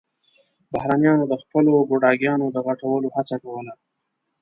بهرنيانو د خپلو ګوډاګيانو د غټولو هڅه کوله.